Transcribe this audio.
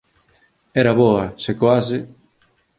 Era boa, se coase!